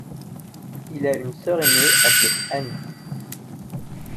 Il a une sœur aînée appelée Annie.